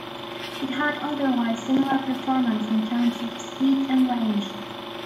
It had otherwise similar performance in terms of speed and range.